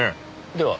では